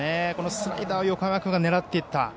スライダーを横山君が狙っていった。